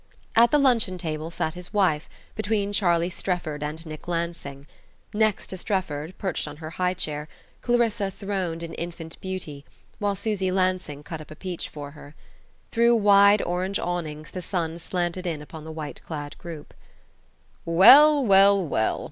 At the luncheon table sat his wife, between Charlie Strefford and Nick Lansing. Next to Strefford, perched on her high chair, Clarissa throned in infant beauty, while Susy Lansing cut up a peach for her. Through wide orange awnings the sun slanted in upon the white clad group. "Well well well!